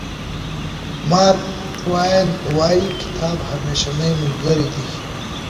مارک ټواین وایي کتاب همېشنۍ ملګری دی.